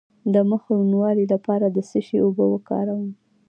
د مخ د روڼوالي لپاره د څه شي اوبه وکاروم؟